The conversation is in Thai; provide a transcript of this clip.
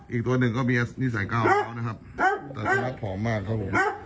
อีกตัวหนึ่งก็มีนิสัยกล้าวขาวนะครับ